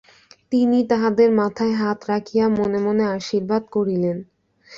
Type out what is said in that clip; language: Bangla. তিনি তাহাদের মাথায় হাত রাখিয়া মনে মনে আশীর্বাদ করিলেন।